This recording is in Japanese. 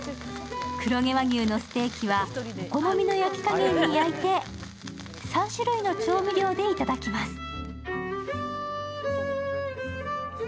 黒毛和牛のステーキはお好みの焼き加減に焼いて３種類の調味料で頂きます。